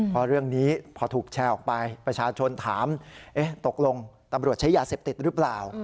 พอเรื่องนี้พอถูกแชร์ออกไปประชาชนถามตกลงตำรวจใช้ยาเสพติดหรือเปล่า